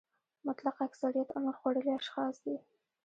مطلق اکثریت عمر خوړلي اشخاص دي.